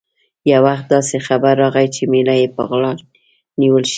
یو وخت داسې خبر راغی چې مېړه یې په غلا نیول شوی.